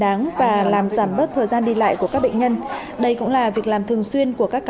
đáng và làm giảm bớt thời gian đi lại của các bệnh nhân đây cũng là việc làm thường xuyên của các